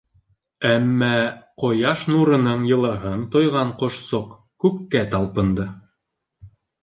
Әммә Ҡояш нурының йылыһын тойған Ҡошсоҡ күккә талпынды.